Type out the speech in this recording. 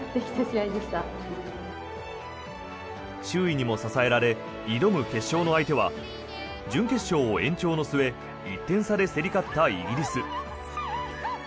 周囲にも支えられ、挑む決勝の相手は準決勝延長の末１点差で競り勝ったイギリス。